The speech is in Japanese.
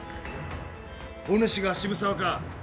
おぬしが渋沢か。